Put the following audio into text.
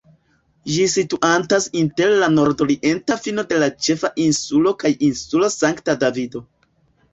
Ĝi situantas inter la nordorienta fino de la ĉefa insulo kaj Insulo Sankta Davido.